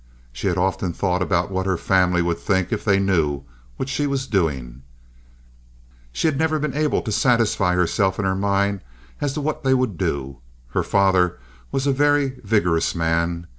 She had often thought about what her family would think if they knew what she was doing; she had never been able to satisfy herself in her mind as to what they would do. Her father was a very vigorous man.